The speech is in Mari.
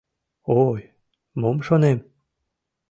Ой, мом шонем?!